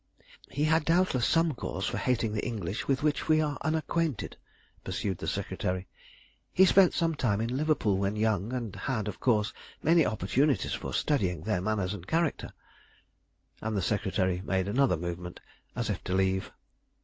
"He had doubtless some cause for hating the English with which we are unacquainted," pursued the secretary. "He spent some time in Liverpool when young, and had, of course, many opportunities for studying their manners and character." And the secretary made another movement, as if to leave.